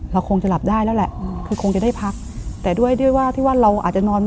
เราคงจะหลับได้แล้วแหละคือคงจะได้พักแต่ด้วยด้วยว่าที่ว่าเราอาจจะนอน